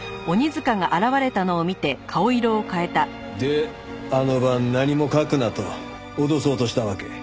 であの晩何も書くなと脅そうとしたわけ？